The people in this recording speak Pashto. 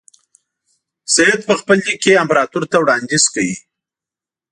سید په خپل لیک کې امپراطور ته وړاندیز کوي.